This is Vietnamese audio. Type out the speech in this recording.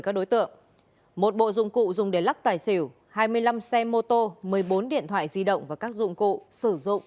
các đối tượng một bộ dụng cụ dùng để lắc tài xỉu hai mươi năm xe mô tô một mươi bốn điện thoại di động và các dụng cụ sử dụng